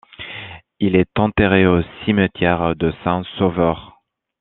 Il est enterré au cimetière de Saint-Sauveur.